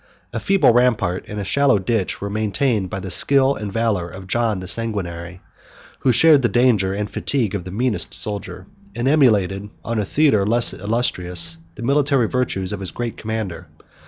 A feeble rampart, and a shallow ditch, were maintained by the skill and valor of John the Sanguinary, who shared the danger and fatigue of the meanest soldier, and emulated, on a theatre less illustrious, the military virtues of his great commander.